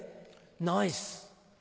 ナイス！